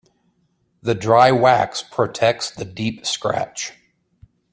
The dry wax protects the deep scratch.